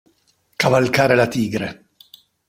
Cavalcare la tigre.